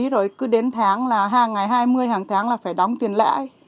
rồi cứ đến tháng là hàng ngày hai mươi hàng tháng là phải đóng tiền lãi